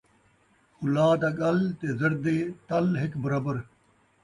پُلاء دا ڳل تے زردے تل ہک برابر